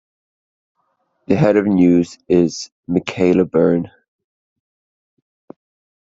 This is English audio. The head of news is Michaela Byrne.